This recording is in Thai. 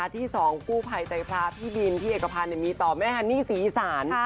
ที่๒กู้ภัยใจพระพี่บินพี่เอกพันธ์มีต่อแม่ฮันนี่ศรีอีสาน